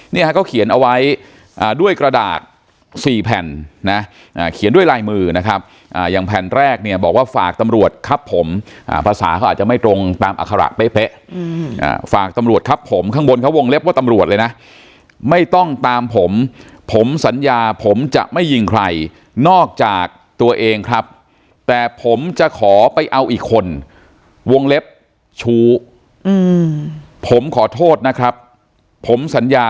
เขาเขียนเอาไว้ด้วยกระดาษสี่แผ่นนะเขียนด้วยลายมือนะครับอย่างแผ่นแรกเนี่ยบอกว่าฝากตำรวจครับผมภาษาเขาอาจจะไม่ตรงตามอัคระเป๊ะฝากตำรวจครับผมข้างบนเขาวงเล็บว่าตำรวจเลยนะไม่ต้องตามผมผมสัญญาผมจะไม่ยิงใครนอกจากตัวเองครับแต่ผมจะขอไปเอาอีกคนวงเล็บชู้ผมขอโทษนะครับผมสัญญา